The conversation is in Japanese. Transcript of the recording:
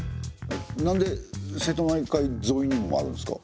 なんで瀬戸内海沿いにもあるんですか？